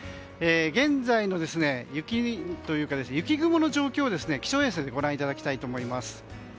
現在の雪雲の状況を気象衛星でご覧いただきます。